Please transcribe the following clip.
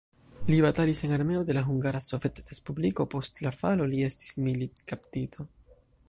Li batalis en armeo de la Hungara Sovetrespubliko, post la falo li estis militkaptito.